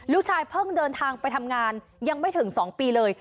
ลูกชายเพิ่งเดินทางไปทำงานยังไม่ถึง๒ปีเลย